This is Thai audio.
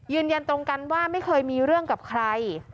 ยืนยันตรงกันว่าไม่เคยมีเรื่องกับใคร